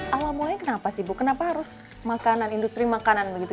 awal mulanya kenapa sih bu kenapa harus makanan industri makanan begitu